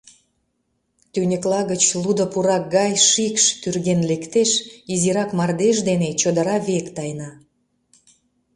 Тӱньыкла гыч лудо пурак гай шикш тӱрген лектеш, изирак мардеж дене чодыра век тайна.